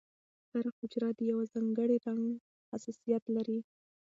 هره حجره د یو ځانګړي رنګ حساسیت لري.